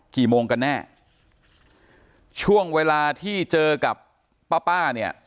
กี่โมงกันแน่ช่วงเวลาที่เจอกับป้าป้าเนี่ย